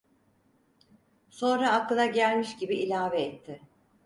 Sonra aklına gelmiş gibi ilave etti: